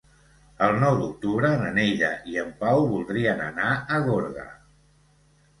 El nou d'octubre na Neida i en Pau voldrien anar a Gorga.